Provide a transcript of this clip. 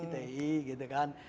diti gitu kan